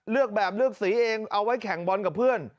เลือกแบบเลือกสีเองเอาไว้แข่งบอลกับเพื่อน